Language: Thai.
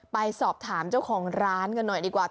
ไปสอบถามเจ้าของร้านกันหน่อยดีกว่า